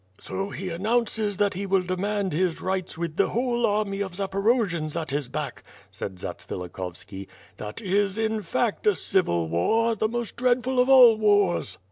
"So he announces that he will demand his rights with the whole army of Zaporojians at his back," said Zatsvilikhovski, "that is in fact a civil war, the most dreadful of all wars."